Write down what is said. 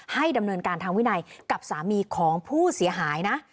ให้ดำเนินการทางวินัยกับสามีของผู้เสียหายนะ